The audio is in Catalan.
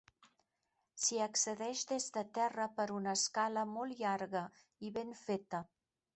S'hi accedeix des de terra per una escala molt llarga i ben feta.